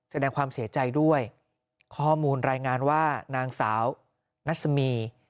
แสดงความเสียใจด้วยข้อมูลรายงานว่านางสาวนัศมี